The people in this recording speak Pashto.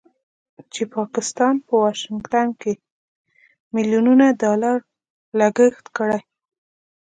چې پاکستان په واشنګټن کې مليونونو ډالر لګښت کړی